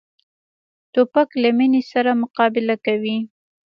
توپک له مینې سره مقابله کوي.